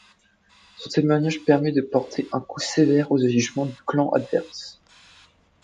Son témoignage permet de porter un coup sévère aux agissements du clan adverse.